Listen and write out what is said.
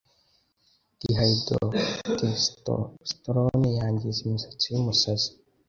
dihydrotestosterone yangiza imizi y'umusatsi